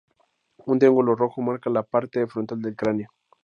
Un triángulo rojo marca la parte frontal del cráneo.